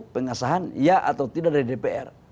pengasahan ya atau tidak dari dpr